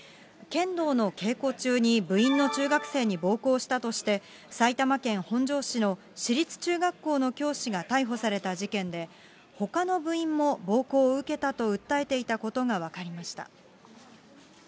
剣道の稽古中に、部員の中学生に暴行したとして、埼玉県本庄市の私立中学校の教師が逮捕された事件で、ほかの部員も暴行を受けたと訴えていたことが分かりました。